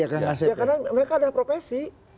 ya karena mereka ada profesi